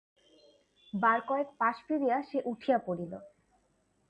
বারকয়েক পাশ ফিরিয়া সে উঠিয়া পড়িল।